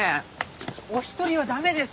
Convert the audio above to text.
お一人はダメですって。